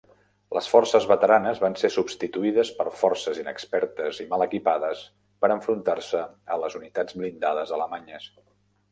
Les forces veteranes van ser substituïdes per forces inexpertes i mal equipades per enfrontar-se a les unitats blindades alemanyes.